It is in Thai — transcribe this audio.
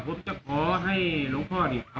คือชาวบ้านยังร้องเรียนอีกนะครับ